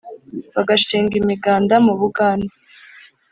Bagashinga imiganda mu Bugande